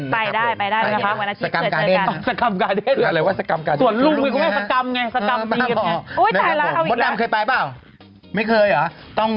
ใช่ไปได้ไหมคะแบบวินัทที่เคยเจอกัน